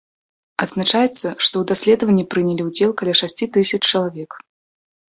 Адзначаецца, што ў даследаванні прынялі ўдзел каля шасці тысяч чалавек.